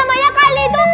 itu namanya kalian itu